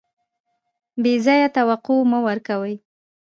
بې ځایه توقع مه ورکوئ.